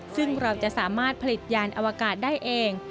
ซึ่งเราจะสามารถผลิตยานอวกาศได้เอง